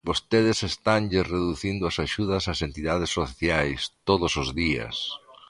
Vostedes estanlles reducindo as axudas ás entidades sociais todos os días.